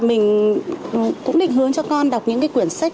mình cũng định hướng cho con đọc những cuốn sách